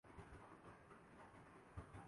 اکثر چیزوں کو ان کی جگہ پر واپس رکھنا بھول جاتا ہوں